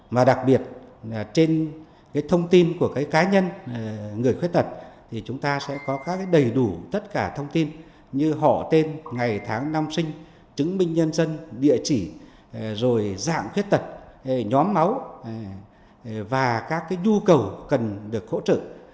mà đặc biệt trên cái thông tin của cái cá nhân người khuyết tật thì chúng ta sẽ có các đầy đủ tất cả thông tin như họ tên ngày tháng năm sinh chứng minh nhân dân địa chỉ rồi dạng khuyết tật nhóm máu và các nhu cầu cần được hỗ trợ